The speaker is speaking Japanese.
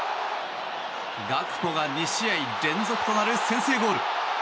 ガクポが２試合連続となる先制ゴール。